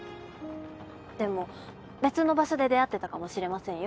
でも別の場所で出会ってたかもしれませんよ。